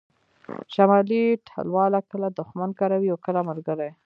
شمالي ټلواله کله دوښمن کاروي او کله ملګری